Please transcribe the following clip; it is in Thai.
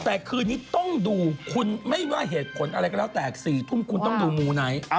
แต่คืนนี้ต้องดูคุณไม่ว่าเหตุผลอะไรก็แล้วแต่๔ทุ่มคุณต้องดูมูไนท์